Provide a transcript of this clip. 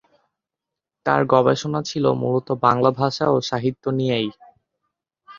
তাঁর গবেষণা ছিলো মূলত বাংলা ভাষা ও সাহিত্য নিয়েই।